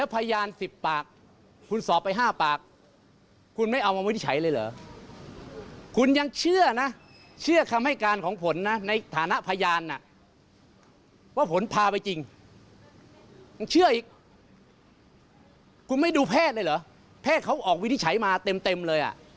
แพทย์เขาออกวินิจฉัยมาเต็มเลย